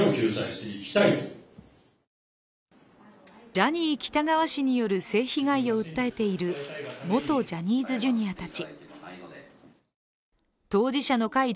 ジャニー喜多川氏による性被害を訴えている元ジャニーズＪｒ．たち。